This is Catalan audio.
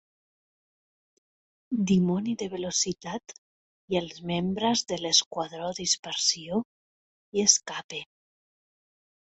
Dimoni de velocitat i els membres de l'esquadró dispersió i Escape.